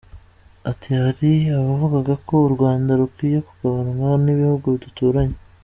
Ati “Hari abavugaga ko u Rwanda rukwiye kugabanwa n’ibihugu duturanye.